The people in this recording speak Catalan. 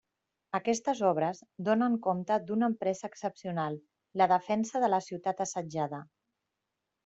Aquestes obres donen compte d’una empresa excepcional: la defensa de la ciutat assetjada.